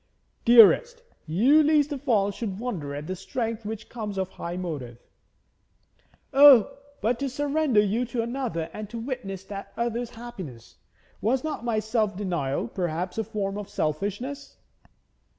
'Dearest, you least of all should wonder at the strength which comes of high motive.' 'Oh, but to surrender you to another and to witness that other's happiness! Was not my self denial perhaps a form of selfishness?